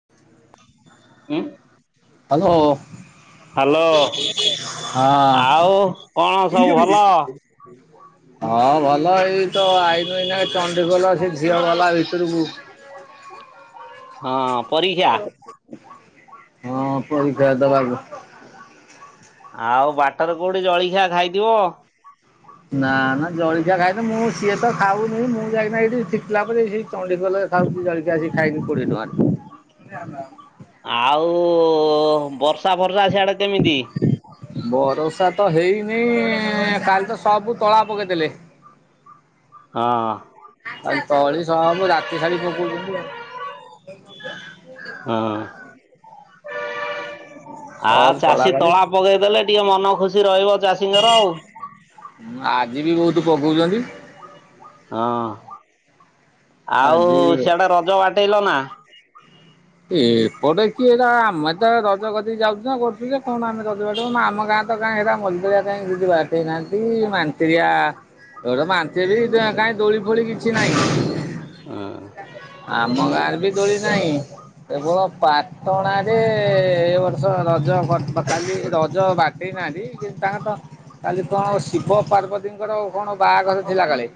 [inaudible] ଉଁ। Hello. Hello ଆଉ ହଁ। କଣ ସବୁ ଭଲ? ହଁ ଭଲ ଏଇ ତ ଆଇନୁ ଏଇନା କେ ଚଣ୍ଡି ଖୋଲ ସେ ଝିଅ ଗଲା ଭିତରକୁ। ହଁ। ପରୀକ୍ଷା ହଁ ପରୀକ୍ଷା ଦବାକୁ। ଆଉ ବାଟରେ କୋଉଠି ଜଳଖିଆ ଖାଇଥିବ? ନା ନା ଜଳିକିଆ ଖାଇନି ମୁଁ ସିଏ ତ ଖାଉନି ମୁଁ ଯାଇକିନା ଏଇଠି ଠୀକଲା ପରେ ଏଇ ଚଣ୍ଡି ଖୋଲ ରେ ଖାଉଛି ଜଳଖିଆ ଆସିକି ଖାଇଲି କୋଡିଏ ଟଙ୍କାରେ। ଆଉ ବର୍ଷା ଫର୍ଷା ସିଆଡେ କେମିତି? ବରସା ତ ହେଇନି କାଲି ତ ସବୁ ତଳା ପକେଇଦେଲେ। ହଁ। ଆଉ ତଳି ସବୁ ରାତି ଶାରି ପକଉଛନ୍ତି ଆଉ [inaudible] ହୁଁ। ହଁ। ଆ ଚାଷୀ ତଳା ପକେଇଦେଲେ ଟିକେ ମନ ଖୁସି ରହିବ ଚାଷୀଙ୍କର ଆଉ? ହୁଁ ଆଜି ବି ବହୁତ୍ ପକଉଛନ୍ତି। ହଁ ଆଉ ଆଜି ସେଆଡେ ରଜ ବାଟେଇଲ ନା? ଏପଟେ କିଏ ଟା ଆମେ ତ ରଜ କରିକି ଯାଉଛୁ ନା କରୁଛୁ ଯେ କଣ ଆମେ ରଜ ବାଟ ଆମ ଗାଁ କାଁଇ ହେରା ମଲଦରିଆ କାହିଁ ଯଦି ବାଟ ହେଇନାହାନ୍ତି ମାନ୍ତିରିଆ ତୋର ମାନ୍ତିରି କାହିଁ ଦୋଳି ଫୋଳି କିଛି ନାହିଁ ହୁଁ। ଆମ ଗାଁରେ ବି ଦୋଳି ନାହିଁ କେବଳ ପାଟଣ ରେ ଏ ବର୍ଷ ରଜ ବ କାଲି ରଜ ବାଟେଇନାହାନ୍ତି କିନ୍ତୁ ତାଙ୍କ ତ କାଲି କଣ ଶିବ ପାର୍ବତୀଙ୍କର କଣ ବାହାଘର ଥିଲା କାଳେ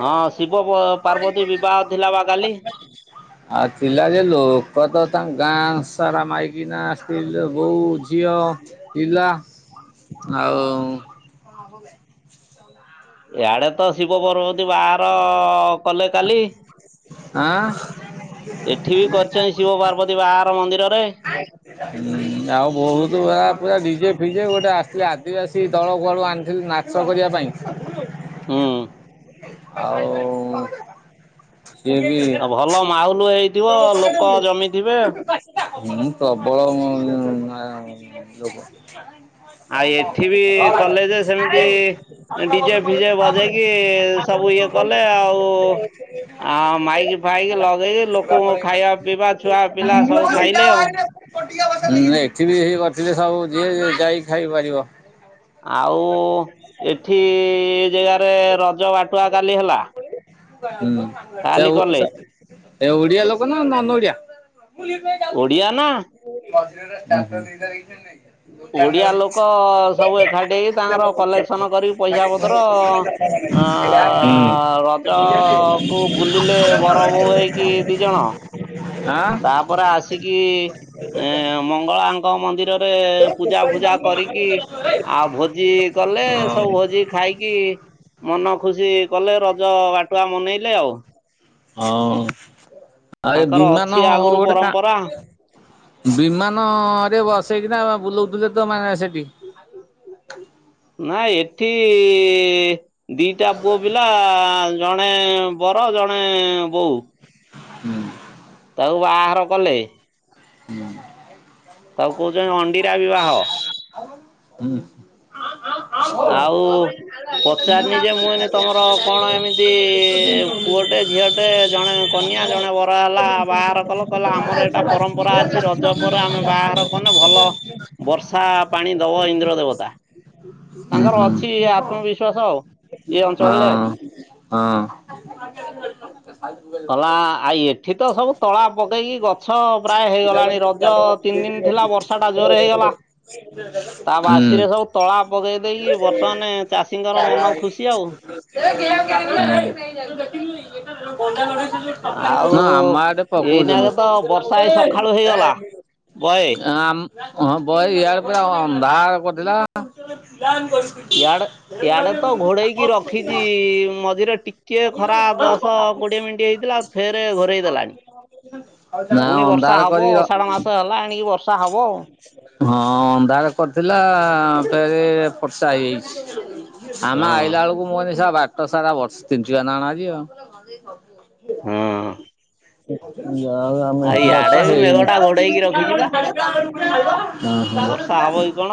ହଁ ଶିବ ପାର୍ବତୀ ବିବାହ ଥିଲା ବା କାଲି। ଆ ଥିଲା ଯେ ଲୋ କଦ ତାଙ୍କ ଗାଁ ସାରା ମାଇକିନା ସ୍ତ୍ରୀ ଲୋ ହଉ ଝିଅ ପିଲା ଆଉ ନବ [inaudible] ଇଆଡେ ତ ଶିବ ପର୍ବତୀ ବାହାଘର କଲେ କାଲି ଆ। ଏଠି ବି କରିଛନ୍ତି ଶିବ ପାର୍ବତୀ ବାହାଘର ମନ୍ଦିରରେ ହୁଁ ଆଉ ବହୁତ୍ ପୁରା ଡିଜେ ଫିଜେ ଗୋଟେ ଆସିଥିଲେ ଆଦିବାସୀ ଦଳ କୁଆଳୁ ଆଣିଥିଲି ନା ଚ କରିବା ପାଇଁ ହୁଁ। ଆଉ ସିଏ ବି ଆଉ ଭଲ ମାଉଲୁ ହେଇଥିବେ ଲୋକ ଜମିଥି ବେ ହୁଁ ପ୍ରବଳ ଆଉ ଏଠି ବି କଲେ ଯେ ସେମିତି ଡିଜେ ଫିଜେ ବଜେଇକି ସବୁ ଇଏ କଲେ ଆଉ ଆଉ ମାଇକି ଫାଇକି ଲଗେଇକି ଲୋକଙ୍କୁ ଲୋକ ଖାଇବା ପିଇବା [unintelligible] [unintelligible] ଛୁଆ ପିଲା ସବୁ ଖାଇଲେ ଆଉ। [unintelligible] ଏଠି ବି ହେଇ କରିଥିଲେ ସବୁ ଯିଏ ଯାଇକି ଖାଇ ପାରିବ ଆଉ ଏଠି ଜାଗାରେ ରଜ ବାଟୁଆ କାଲି ହେଲା କାଲି ହଁ କଲେ ସେ ଓ ଓଡିଆ ଲୋକ ନା ନନ୍ ଓଡିଆ? ଓଡିଆ ନା। ମଝିରେ ଚାତ ଦିଟା ଦେଇ ନାଇଁ। ଓଡ଼ିଆ ଲୋକ ସବୁ ଏକାଠି ହେଇକି ତାଙ୍କର କଲେକ୍ସନ୍ କରିକି ପଇସା ପତ୍ର ଅ ରଜକୁ ବୁଲିଲେ ବର ବୋଉ ହେଇକି ଦି ଜଣ। [unintelligible] ହୁଁ। ଆଁ ତାପରେ ଆସିକି ଏ ମଙ୍ଗଳାଙ୍କ ମନ୍ଦିର। ପୂଜା ଫୂଜା କରିକି ଆଉ ଭୋଜି। କଲେ ସବୁ ଭୋଜି ଖାଇକି ମନ ଖୁସି କଲେ ରଜ ବାାଟୁଆ ମନେଇଲେ ଆଉ। ହଁ, ଆଉ ଏ ତାଙ୍କର ଅଛି ବିମାନ ଆଗରୁ ଗୋଟେ କା ପରମ୍ପରା। ବିମାନରେ ବସେଇକିନା ବୁଲଉଥିଲେ ତ ମା ସେଠି। ନା ଏଠି ଦିଟା ପୁଅ ପିଲା ଜଣେ ବର ଜଣେ ବୋଉ। ହୁଁ। ତାକୁ ବାଘର କଲେ। ହୁଁ ତାକୁ କହୁଛନ୍ତି ଅଣ୍ଡିରା ବିବାହ। ଉ ହୁଁ। ଆଉ ପଚାରନି ଯେ ମୁଁ ଏନି ତମର କଣ ଏମିତି ପୁଅଟେ, ଝିଅ ଟେ ଜଣେ କନ୍ୟା, ଜଣେ ବର ହେଲା ବାହାର କଲ, କହିଲା ଆମର ଏ ଟା ପରମ୍ପରା ଅଛି ରଜ ପରେ ଆମେ ବାହାର କନେ ଭଲ। ବର୍ଷା ପାଣି ଦବ ଇନ୍ଦ୍ର ଦେବତା। ତାଙ୍କର ଅଛି ଇଏ ଆତ୍ମବିଶ୍ଵାସ ଆଉ, ଏଇ ଅଞ୍ଚଳରେ ଆଉ। [inaudible] କଲା, ଆଇ ଏଠି ତ ସବୁ ତଳା ପକେଇକି ଗଛ ପ୍ରାୟ ହେଇଗଲାଣି, ରଜ ତିନି ଦିନ ଥିଲା ବର୍ଷାଟା ଜୋରରେ ହେଇଗଲା, ତା ବାସିରେ ସବୁ ତଳା ପକେଇ ଦେଇକି ବର୍ତ୍ତମାନେ ଚାଷୀଙ୍କର ମନ ଖୁସି ଆଉ। ଆଉ [inaudible] ହ ଆମ ଏଟେ ପକଉଛନ୍ତି ଏଇନାକେ ତ ବର୍ଷା ଏଇ ସକାଳୁ ହେଇଗଲା ବହେ [inaudible] ହଁ ବହି ୟାଡ ପ ଅନ୍ଧାର କରିଥିଲା। ୟାଡେ ୟାଡେ ତ ଘୋଡେଇକି ରଖିଛି, ମଝିରେ ଟିକିଏ ଖରା ଦଶ କୋଡିଏ ମିନିଟ ହେଇଥିଲା। ଫେର ଘୋରେଇ ଦେଲାଣି, ନା ପୁଣି ବର୍ଷା ଅନ୍ଧାର ହବ କରି ର ଅଷାଢ଼ ମାସ ହେଲା ଏଣିକି ବର୍ଷା ହବ। ହଁ ଅନ୍ଧାର କରିଥିଲା [unintelligible] ବର୍ଷା ହେଇଯାଇଛି, ଆମେ ହଁ ଆଇଲା ବେଳକୁ ମୋ ନିଶା ବାକ [unintelligible] ସାରା ବର୍ଷ [unintelligible] ଭ ହବ ହଁ। ଯା ହଉ ଆମେ, ଆଉ ଇଆଡେ ବର୍ଷ ବି ମେଘ ହେଇନି [inaudible] [inaudible] ଟା ହଁ ଘୋଡେଇକି ରଖିଛି ବା। ହଁ। ବର୍ଷା ହବ କି କଣ?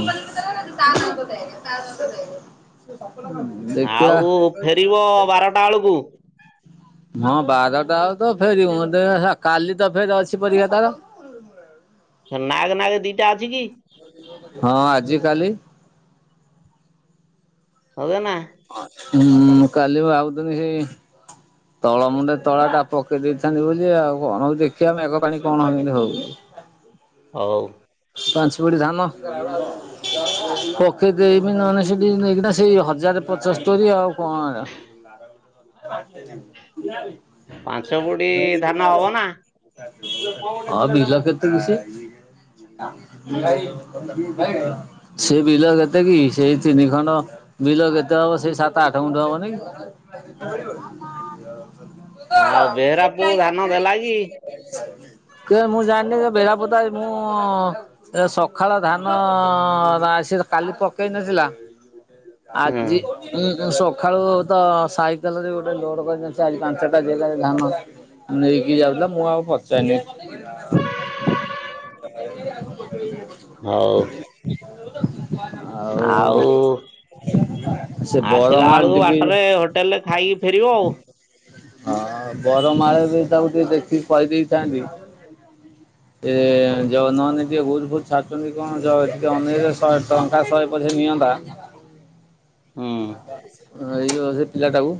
[inaudible] ହୁଁ। ଦେଖିବା। ଆଉ ଫେରିବ ବାରଟା ବେଳକୁ ହଁ ବାରଟା ଳୁ ତ ଫେରିବୁ ମତେ କାଲି ତ ଫେରି ଅଛି ପରୀକ୍ଷା ତାର। ନାଗେ ନାଗେ ଦିଟା ଅଛି କି? ହଁ ଆଜି କାଲି। ହଗେ ନା ହୁଁ ମୁ କାଲି ଭାବୁଥିଲି ସେଇ ତଳ ମୁଣ୍ଡେ ତଳା ଟା ପକେଇ ଦେଇଥାନ୍ତି ବୋଲି ଆଉ କଣ ଦେଖିବା ମେଘ ପାଣି କଣ ଏମିତି ହଉଚି। ହଉ। ପାଞ୍ଚ ପୋଡି ଧାନ ପୋକେ ଦେଇବି ନହେଲେ ସେଠି ନେଇକିନା ସେଇ ହଜାର ପଚଶ ତୋରି ଆଉ କଣ? ନାର ଗଟ [unintelligible] ପାଞ୍ଚ ବୋଡି ଧାନ ହବ ନା? ହଁ ବି ଲ କେ ତ କିଛି। ସେ ବିଲ କେତେ କି ସେଇ ତିନି ଖଣ୍ଡ। ବିଲ କେତେ ହବ ସେଇ ସାତ ଆଠ ଖଣ୍ଣ୍ଡ ହବନି ତୁ ତ ଆଉ ବେହେରା ଯେଟ ପୁଅ ହେଇ ଧାନ ଦେଲା କି? ମୁଁ ଜାଣିନି ବେଢପତା ମୁଁ। ମୁଁ ଏ ସକାଳ ଧାନ ଆସି କାଲି ପକେଇ ନଥିଲା। ହୁଁ ଆଜି। ଉଁ ସକାଳୁ ତ ସାଇକେଲରେ ଗୋଟେ ଲୋଡ କରିଦ ଆଜି ପାଞ୍ଚଟା ଜିଲ୍ଲାରେ ଧାନ। ନେଇକି ଯାଉଥିଲା ମୁଁ ଆଉ ପଚାରନି। [inaudible] ହଉ ଆଉ। ସେ ଆସିଲା ବରମାଳ ବେଳକୁ ଟିକେ ବାଟରେ ହୋଟେଲ ରେ ଖାଇକି ଫେରିବ ଆଉ ହଁ ବରମାଳ ବି ତାକୁ ଟିକେ ଦେଖିକି କହିଦେଇଥାନ୍ତି। [inaudible] ଏ ଯ ନହନେ ଟିକେ ଗୁଜ ଫୁଜ ଛାଡୁଛନ୍ତି କଣ ଯ ଟିକେ ଅନେଇ ଶହେ ଟଙ୍କା ଶହେ ପସେ ନିଅନ୍ତା। ହୁଁ। ଏଇ ସେ ପିଲା ଟାକୁ।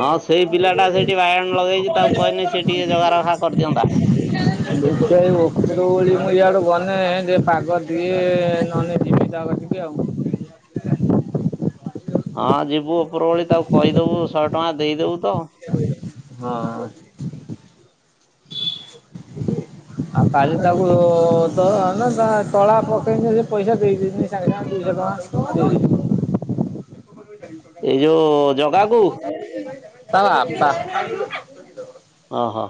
ହଁ ସେଇ ପିଲାଟା ସେଇଠି ବାଇଗଣ ଲଗେଇଛି ତାକୁ କ କହିନି ସେ ଟିକେ ଜଗାାରଖା କରିଦିଅନ୍ତା। ମୁଁ ଉପର ଓଳି ଇାଆଡୁ ଗନେ ଟ ପାଗ ଟିକେ ନହନେ ଜିବି ଦାଗ ଟିକେ ଆଉ। ହଁ ଯିବୁ ଉପର ଭଳି ତାକୁ କହିଦେବୁ ଶହେ ଟଙ୍କା ଦେଇଦେବୁ ତ ହଁ। [inaudible] ଆ। କାଲି ତାକୁ ନା ତଳା ପକେଇକି ସେ ପଇସା ଦେଇଦନି ସାଙ୍ଗେ ସାଙ୍ଗେ ଦୁଇଶହ ଟଙ୍କା। ଓ। ଏଇ ଯୋଉ ଜଗା କୁ ତା ବାପା। ଓହୋ।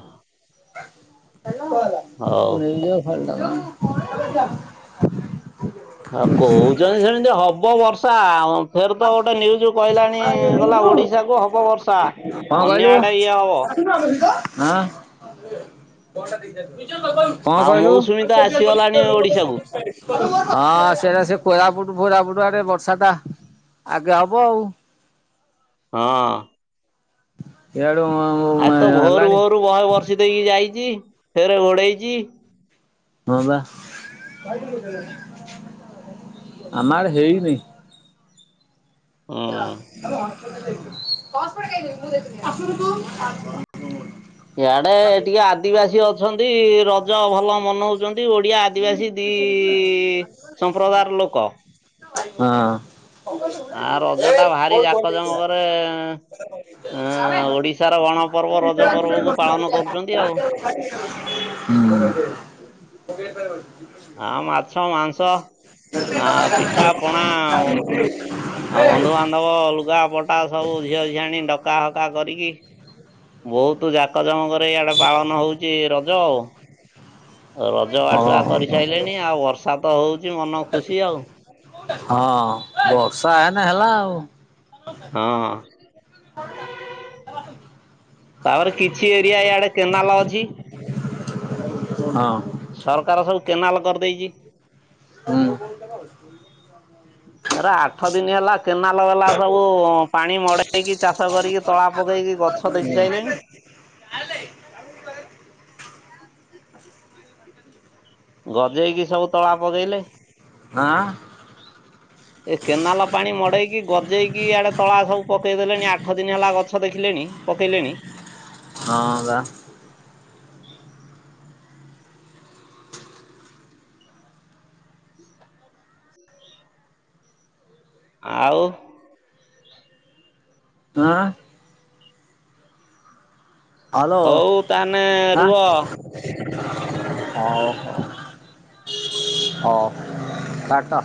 ହଉ। ନେଇଯ ଭଲ ଟ [unintelligible] ଆଉ କହୁଛନ୍ତି ସେମିତି ହବ ବର୍ଷା। ଫେର ତ ଗୋଟେ ନ୍ୟୁଜ୍ କହିଲାଣି ଗଲା ଓଡ଼ିଶାକୁ ହବ ବର୍ଷା। ହଁ ଅନ୍ୟ କହିଲୁ ହଁ। ଆଡେ ଇଏ ହବ ହଁ ଆଉ କହିଲୁ। ମୌସୁମୀ ତ ଆସିଗଲାଣି ଓଡିଶାକୁ ହଁ ସେଟା ସେ କୋରାପୁଟ ଫୋରାପୁଟ ଆଡେ ବର୍ଷା ଟା। ଆଗେ ହବ ଆଉ ହଁ। ଏଡୁ ଆଜି ତ ଭୋରୁ ହେଲାଣି। ଭୋରୁ ବହେ ବର୍ଷି ଦେଇକି ଯାଇଛି ଫେରେ ଘୋଡେଇଛି। ହଁ ବା ଆମ ଆଡେ ହେଉନି। ହୁଁ ତ ହ ପାପାଇ ଆସୁ [inaudible] ଇଆଡେ ଟିକେ ଆଦିବାସୀ ଅଛନ୍ତି ରଜ ଭଲ ମନଉଛି। ଓଡିଆ ଆଦିବାସୀ ଦି ସମ୍ପ୍ରଦାୟର ଲୋକ। ହଁ। ଆ ରଜ ଟା ଭାରି ଏ ଜାକଜମକରେ ଅ କ ଓଡିଶାର ଗଣପର୍ବ ରଜ ପର୍ବକୁ ପାଳନ [unintelligible] କରୁଛନ୍ତି ଆଉ। [unintelligible] [inaudible] ନାଁ ମୁଁ ମାଛ ମାଂଶ। ଆ ପିଠା ପଣା ଆଉ ଆଉ ବନ୍ଧୁବାନ୍ଧ ଧବ ଲୁଗା ପଟା ସବୁ ଝିଅଝିଆଣି ଡକା ହକା କରିକି ବହୁତ ଜାକ ଜମକରେ ଇଆଡେ ପାଳନ ହୋଉଚି ରଜ ଆଉ। ରଜ ବାଟୁଆ ହଁ କରିସାରିଲେଣି ଆଉ ବର୍ଷା ତ ହଉଚି ମନ ଖୁସି ଆଉ। ହଁ ବର୍ଷା ହେନେ ହେଲା ଆଉ। ହଁ। ତାପରେ କିଛି ଏରିଆ ଇଆଡେ କେନାଲ ଅଛି। ହଁ। ସରକାର ସବୁ କେନାଲ କରିଦେଇଚି। [inaudible] [inaudible] ଏରା ଆଠ ଦିନି ହେଲା କେନାଲ ବାଲା ସବୁ ପାଣି ମଡେଇକି ଚାଷ କରିକି ତଳା ପକେଇକି ଗଛ ଦେଖି ସାରିଲେଣି। ଗଜେଇକି ସବୁ ତଳା ପକେଇଲେ। ହାଁ। [inaudible] ଏ କେନାଲ ପାଣି ମଡେଇକି ଗଜେଇକି ଇଡେ ତଳା ସବୁ ପକେଇଦେଲେଣି ଆଠ ଦିନ ହେଲା ଗଛ ଦେଖିଲେଣି। ପକେଇଲେଣି। ହଁ ବା। ଆଉ? ଆଁ। ହଲୋ ହଉ ତାହେଲେ ଆଁ। ରୁହ। ହଉ ହଉ। ହୋଉ କଟ।